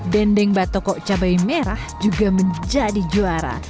dendeng batokok cabai merah juga menjadi juara